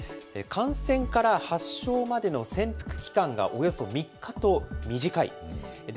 感染から発症までの潜伏期間がおよそ３日と短い。